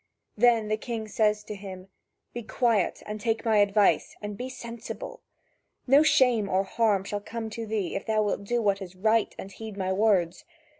Then the king says to him: "Be quiet, and take my advice, and be sensible. No shame or harm shall come to thee, if thou wilt do what is right and heed my words.